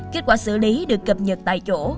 kết quả xử lý được cập nhật tại chỗ